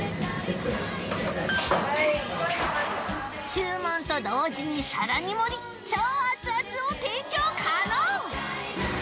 注文と同時に皿に盛り超熱々を提供可能！